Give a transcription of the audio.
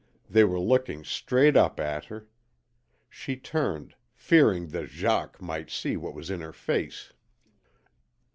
They were looking straight up at her. She turned, fearing that Jacques might see what was in her face.